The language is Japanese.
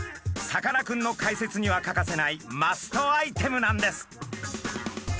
さかなクンの解説には欠かせないマストアイテムなんです。